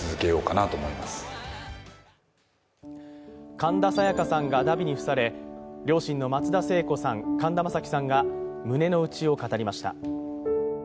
神田沙也加さんがだびに付され、両親の松田聖子さん、神田正輝さんが胸のうちを語りました。